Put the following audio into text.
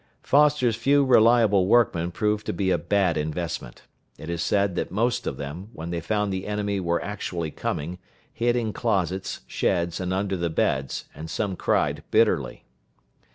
Foster's few reliable workmen proved to be a bad investment. It is said that most of them, when they found the enemy were actually coming, hid in closets, sheds, and under the beds, and some cried bitterly.